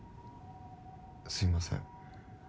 すみません。